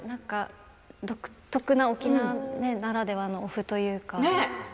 独特の沖縄ならではのお麩というか。